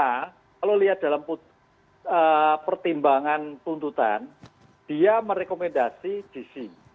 karena kalau lihat dalam pertimbangan tuntutan dia merekomendasi dc